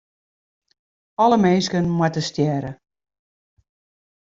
Alle minsken moatte stjerre.